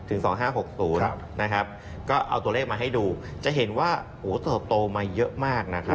เอาตัวเลขมาให้ดูจะเห็นว่าสถานศัพท์โตมาเยอะมาก